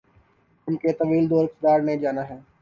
ان کے طویل دور اقتدار نے جانا ہے۔